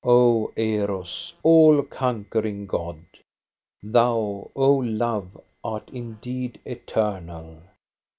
O Eros, all conquering god ! Thou, O Love, art indeed eternal